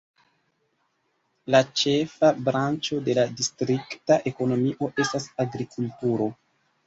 La ĉefa branĉo de la distrikta ekonomio estas agrikulturo.